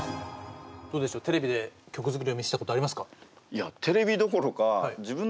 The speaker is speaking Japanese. どうでしょうテレビで曲作りを見せたことありますか？